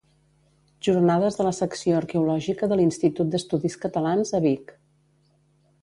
Jornades de la Secció Arqueològica de l'Institut d'Estudis Catalans a Vic.